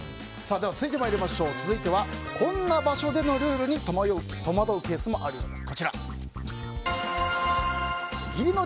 続いてはこんな場所でのルールに戸惑うケースもあるようです。